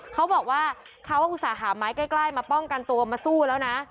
เขาบอกว่าเขาอุตส่าห่าไม้ใกล้มาป้องกันตัวมาสู้แล้วนะ